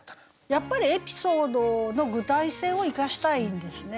やっぱりエピソードの具体性を生かしたいんですね。